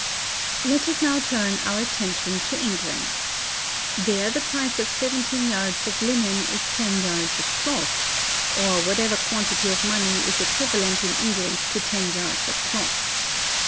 "Let us now turn our attention to England. There the price of seventeen yards of linen is ten yards of cloth, or whatever quantity of money is equivalent in England to ten yards of cloth.